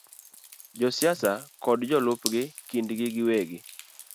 Josiasa kod jolupgi kindgi giwegi,